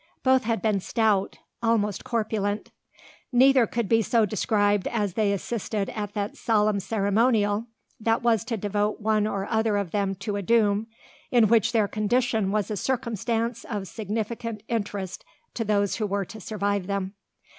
Both had been stout, almost corpulent. Neither could be so described as they assisted at that solemn ceremonial that was to devote one or other of them to a doom in which their condition was a circumstance of significant interest to those who were to survive them.